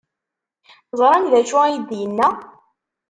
Ẓran d acu ay d-yenna?